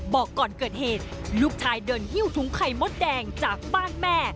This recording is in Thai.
บอกก่อนเกิดเหตุลูกชายเดินหิ้วถุงไข่มดแดงจากบ้านแม่